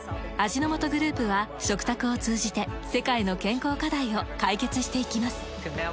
味の素グループは食卓を通じて世界の健康課題を解決していきます。